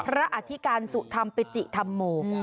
พระอธิกาลสุธรรมภิติธรรมมุม